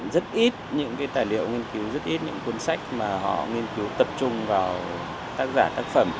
rất ít những cái tài liệu nghiên cứu rất ít những cuốn sách mà họ nghiên cứu tập trung vào tác giả tác phẩm